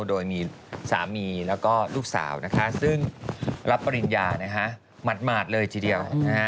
โดยมีสามีแล้วก็ลูกสาวนะคะซึ่งรับปริญญาหมาดเลยทีเดียว